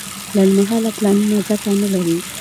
لنډمهاله پلانونه ګټه نه لري.